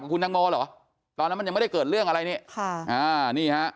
กับคุณดังโมหรอตอนนั้นมันจะไม่ได้เกิดเรื่องอะไรนี้ค่ะนี่